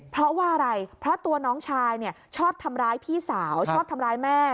เพราะว่าอะไรเพราะตัวน้องชายชอบทำร้ายพี่สาวชอบทำร้ายแม่